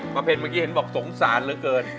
ประเด็นเมื่อกี้เห็นบอกสงสารเหลือเกิน